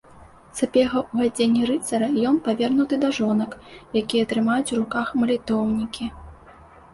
Сапега ў адзенні рыцара, ён павернуты да жонак, якія трымаюць у руках малітоўнікі.